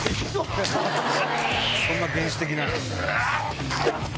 そんな原始的な。